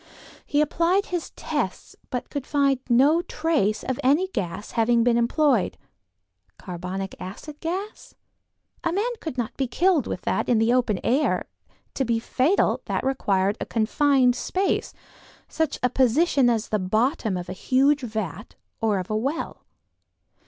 He applied his tests but could find no trace of any gas having been employed. Carbonic acid gas? A man could not be killed with that in the open air; to be fatal that required a confined space, such a position as the bottom of a huge vat or of a well.